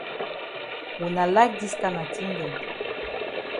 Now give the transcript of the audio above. Wuna like dis kana tin dem.